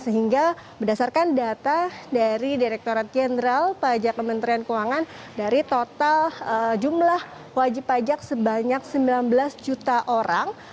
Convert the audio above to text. sehingga berdasarkan data dari direkturat jenderal pajak kementerian keuangan dari total jumlah wajib pajak sebanyak sembilan belas juta orang